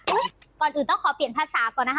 ก่อนอื่นต้องขอเปลี่ยนภาษาก่อนนะคะ